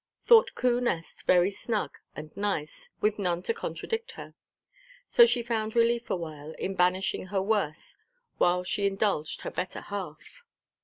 —thought Coo Nest very snug and nice, with none to contradict her. So she found relief awhile, in banishing her worse, while she indulged her better half.